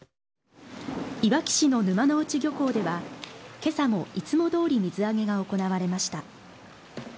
いわき市の沼ノ内漁港では今朝も、いつもどおり水揚げが行われました。